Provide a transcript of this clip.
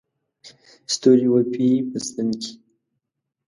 ستوري وپېي په ستن کې